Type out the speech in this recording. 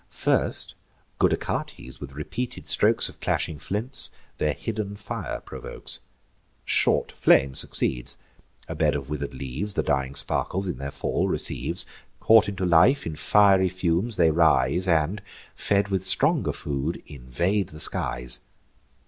First, good Achates, with repeated strokes Of clashing flints, their hidden fire provokes: Short flame succeeds; a bed of wither'd leaves The dying sparkles in their fall receives: Caught into life, in fiery fumes they rise, And, fed with stronger food, invade the skies.